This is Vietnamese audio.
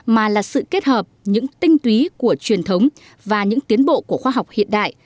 mà là sự kết hợp những tinh túy của truyền thống và những tiến bộ của khoa học hiện đại